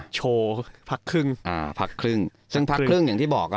โชว์พักครึ่งอ่าพักครึ่งซึ่งพักครึ่งอย่างที่บอกอ่ะ